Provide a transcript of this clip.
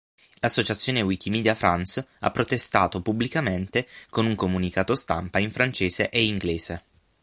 L'associazione Wikimedia France ha protestato pubblicamente con un comunicato stampa in francese e inglese.